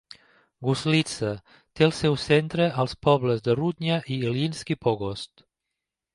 Guslitsa té el seu centre als pobles de Rudnya i Ilyinsky Pogost.